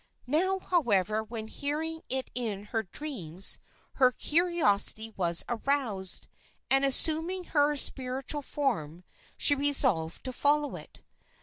Now, however, when hearing it in her dreams, her curiosity was aroused, and, assuming her spiritual form, she resolved to follow it.